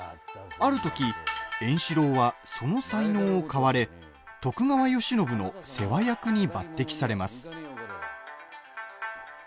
ある時、円四郎はその才能を買われ徳川慶喜の世話役に抜てきされます。